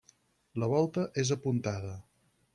La volta és apuntada.